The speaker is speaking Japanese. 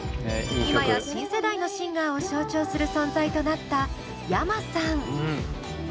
今や新世代のシンガーを象徴する存在となったｙａｍａさん。